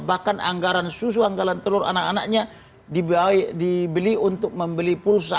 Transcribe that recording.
bahkan anggaran susu anggaran telur anak anaknya dibeli untuk membeli pulsa